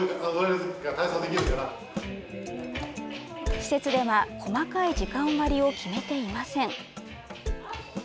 施設では細かい時間割を決めていません。